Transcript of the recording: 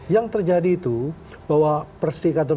yang terjadi itu bahwa persikatan